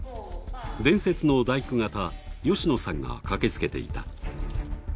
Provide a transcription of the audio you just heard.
伝説の大工方吉野さんが駆け付けていた。